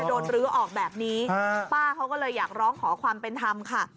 โดนรื้อออกแบบนี้ป้าเขาก็เลยอยากร้องขอความเป็นธรรมค่ะ